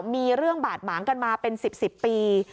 มีเรื่องบาดหมางกันมาเป็น๑๐ปี